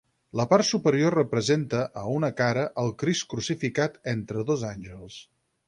La part superior representa, a una cara, el Crist crucificat entre dos àngels.